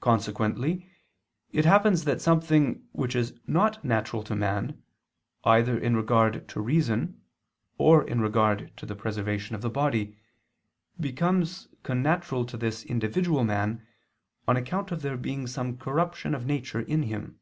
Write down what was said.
Consequently it happens that something which is not natural to man, either in regard to reason, or in regard to the preservation of the body, becomes connatural to this individual man, on account of there being some corruption of nature in him.